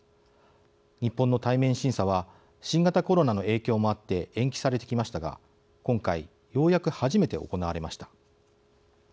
日本の対面審査は新型コロナの影響もあって延期されてきましたが今回ようやく初めて行われました。